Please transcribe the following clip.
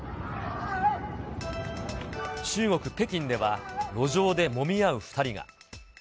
中国・北京では路上でもみ合う２人が。